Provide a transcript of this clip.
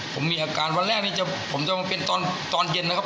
ผมมีอาการวันแรกนี้ผมจะมาเป็นตอนเย็นนะครับ